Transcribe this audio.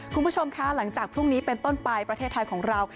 คุณผู้ชมคะหลังจากพรุ่งนี้เป็นต้นไปประเทศไทยของเรา